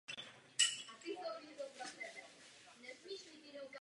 Stále slýcháme stejné stížnosti a navrhujeme stejná opatření.